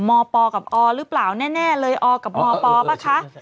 มปกับอหรือเปล่าแน่เลยอกับมป่ะคะ